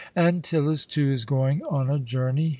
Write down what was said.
Antyllus, too, is going on a journey.